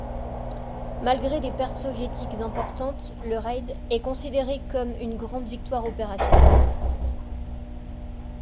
Malgré des pertes soviétiques importantes, le raid est considéré comme une grande victoire opérationnelle.